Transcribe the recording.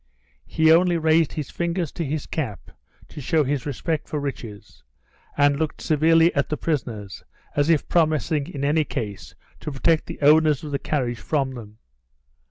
He only raised his fingers to his cap to show his respect for riches, and looked severely at the prisoners as if promising in any case to protect the owners of the carriage from them.